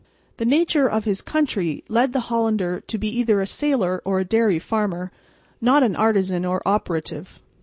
The nature of his country led the Hollander to be either a sailor or a dairy farmer, not an artisan or operative.